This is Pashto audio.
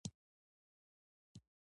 _بلا! وه بلا! ړنده يې! بيا دې ساده چای راوړی.